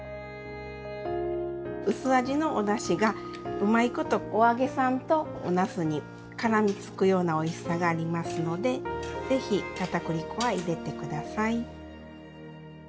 薄味のおだしがうまいことお揚げさんとおなすにからみつくようなおいしさがありますので是非片栗粉は入れて下さい。